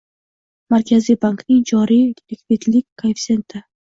Markaziy bankning joriy likvidlik koeffitsienti